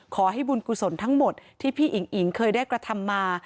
ขอให้บุญกุศลทั้งหมดที่พี่อิ๋งอิ๋งเคยได้กระทำมา